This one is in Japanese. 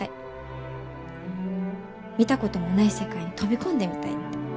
見たこともない世界に飛び込んでみたいって。